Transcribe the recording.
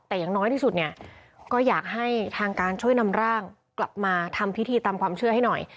แต่อย่างน้อยที่สุดเนี่ยก็อยากให้ทางการช่วยนำร่างกลับมาทำพิธีตามความเชื่อให้หน่อย